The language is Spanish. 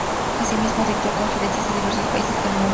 Asimismo, dictó conferencias en diversos países del mundo.